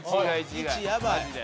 １ヤバい。